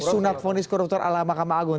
sunak vonis koruptor ala mahkamah agung